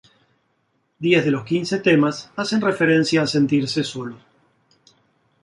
Diez de los quince temas hacen referencia a sentirse solo.